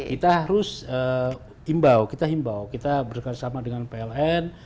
kita harus imbau kita bersama dengan pln